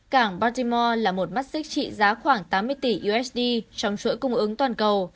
cảng bartimore là một mắt xích trị giá khoảng tám mươi tỷ usd trong chuỗi cung ứng toàn cầu